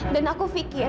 dan aku pikir